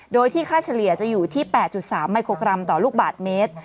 โดยที่ค่าเฉลี่ยจะอยู่ที่๘๓มิโครกรัมต่อลูกบาทเมตร